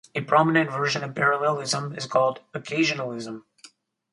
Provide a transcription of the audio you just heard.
A prominent version of parallelism is called occasionalism.